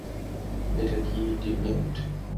এটা কি ডিভিয়েন্ট?